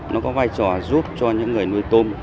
nó có vai trò giúp cho những người nuôi tôm